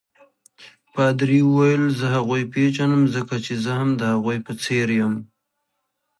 پادري وویل: زه هغوی پیژنم ځکه چې زه هم د هغوی په څېر یم.